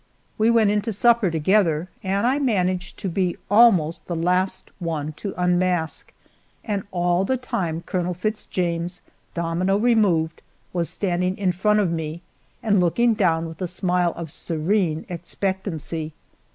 We went in to supper together, and I managed to be almost the last one to unmask, and all the time Colonel Fitz James, domino removed, was standing in front of me, and looking down with a smile of serene expectancy.